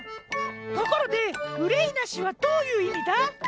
ところで「うれいなし」はどういういみだ？